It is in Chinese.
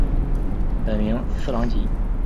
本名次郎吉。